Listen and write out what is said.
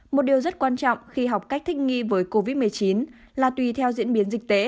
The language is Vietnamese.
một điều rất quan trọng khi học cách thích nghi với covid một mươi chín là tùy theo diễn biến dịch tễ